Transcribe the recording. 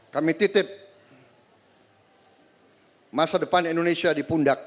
kami titip masa depan indonesia di pundak